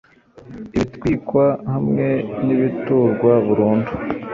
ibitwikwa hamwe n’ibiturwa burundu